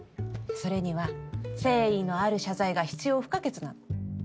それには誠意のある謝罪が必要不可欠なの。